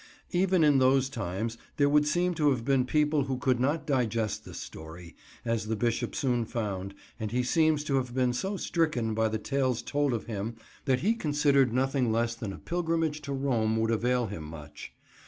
Even in those times there would seem to have been people who could not digest this story, as the Bishop soon found, and he seems to have been so stricken by the tales told of him that he considered nothing less than a pilgrimage to Rome would avail him much.